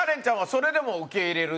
「それでも受け入れる」？